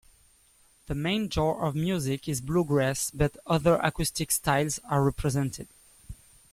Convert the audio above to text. The main genre of music is bluegrass, but other acoustic styles are represented.